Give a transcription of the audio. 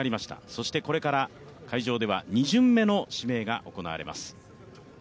そしてこれから、会場では２巡目の指名が行われます。